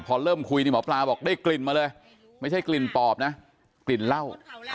พอเริ่มคุยนี่หมอปลาบอกได้กลิ่นมาเลยไม่ใช่กลิ่นปอบนะกลิ่นเหล้า